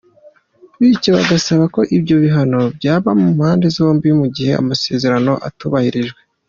Bityo bagasaba ko ibyo bihano byaba mu mpande zombi mu gihe amasezerano atubahirijwe.